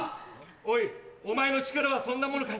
おいお前の力はそんなものかい？